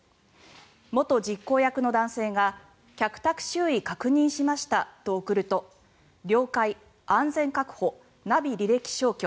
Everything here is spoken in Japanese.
元実行役の男性が客宅周囲確認しましたと送ると了解安全確保、ナビ履歴消去